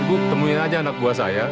ibu temuin aja anak buah saya